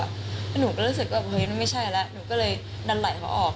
แล้วหนูก็รู้สึกว่าเฮ้ยมันไม่ใช่แล้วหนูก็เลยดันไหล่เขาออก